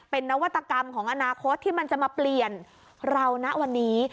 เป็นนวัตกรรมของอนาคตที่มันจะมาเปลี่ยนเรานะวันนี้